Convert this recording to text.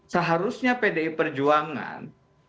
seharusnya pdi perjuangan